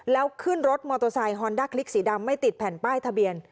แล้วขึ้นรถมอเตอร์ไซคอนด้าคลิกสีดำไม่ติดแผ่นป้ายทะเบียน